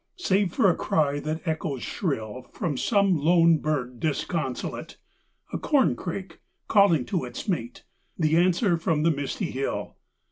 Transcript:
Save for a cry that echoes shrill From some lone bird disconsolate; A corncrake calling to its mate; The answer from the misty hill.